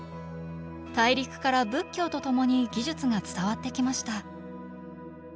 大陸から仏教とともに技術が伝わってきました。